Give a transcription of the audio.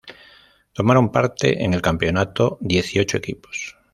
Tomaron parte en el campeonato dieciocho equipos.